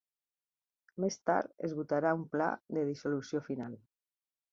Més tard es votarà un pla de dissolució final.